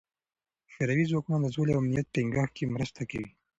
شوروي ځواکونه د سولې او امنیت ټینګښت کې مرسته کوي.